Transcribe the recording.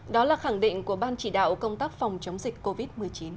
đó là khẳng định của ban chỉ đạo công tác phòng chống dịch covid một mươi chín